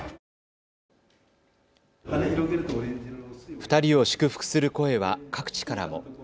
２人を祝福する声は各地からも。